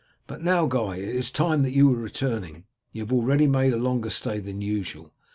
But now, Guy, it is time that you were returning. You have already made a longer stay than usual.